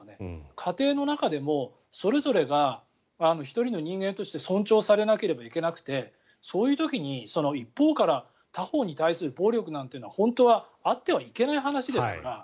家庭の中でもそれぞれが１人の人間として尊重されなければいけなくてそういう時に、一方から他方に対する暴力なんて本当はあってはいけない話ですから。